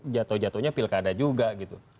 jatuh jatuhnya pilkada juga gitu